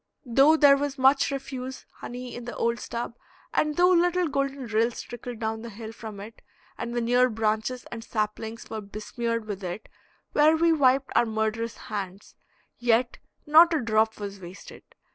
Though there was much refuse honey in the old stub, and though little golden rills trickled down the hill from it, and the near branches and saplings were besmeared with it where we wiped our murderous hands, yet not a drop was wasted.